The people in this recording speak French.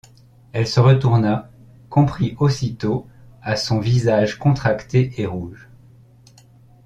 Elle se retourna, comprit aussitôt à son visage contracté et rouge.